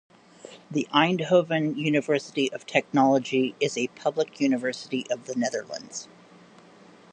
The Eindhoven University of Technology is a public university of the Netherlands.